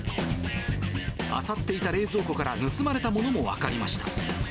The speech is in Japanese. あさっていた冷蔵庫から盗まれたものも分かりました。